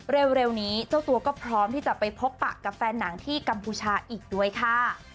เร็วนี้เจ้าตัวก็พร้อมที่จะไปพบปะกับแฟนหนังที่กัมพูชาอีกด้วยค่ะ